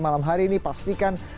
malam hari ini pastikan